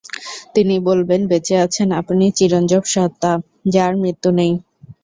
তিনি বলবেন, বেঁচে আছেন আপনি চিরঞ্জীব সত্তা, যাঁর মৃত্যু নেই।